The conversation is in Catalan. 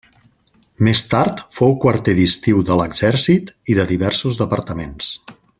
Més tard fou quarter d'estiu de l'exèrcit i de diversos departaments.